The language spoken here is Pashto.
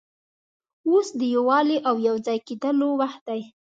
اوس د یووالي او یو ځای کېدلو وخت دی.